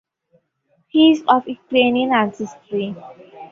He is of Ukrainian ancestry.